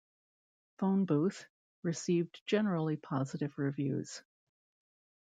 "Phone Booth" received generally positive reviews.